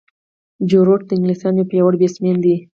جو روټ د انګلستان یو پیاوړی بیټسمېن دئ.